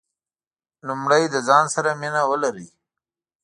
لومړی د ځان سره مینه ولرئ .